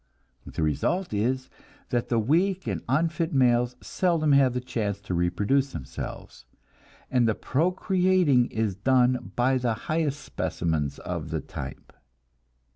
The result is that the weak and unfit males seldom have a chance to reproduce themselves, and the procreating is done by the highest specimens of the type.